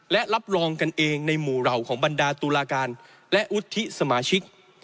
และรับรองกันเองในหมู่เหล่าของบรรดาตุลาการและวุฒิสมาชิก